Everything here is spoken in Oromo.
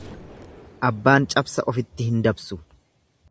Abbaan cabsa ofitti hin dabsu.